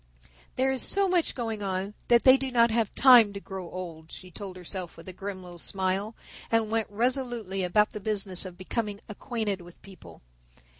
There is so much going on that they do not have time to grow old," she told herself with a grim little smile, and went resolutely about the business of becoming acquainted with people.